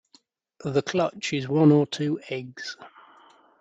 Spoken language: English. The clutch is one or two eggs.